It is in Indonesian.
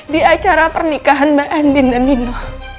di acara pernikahan mbak andin dan nino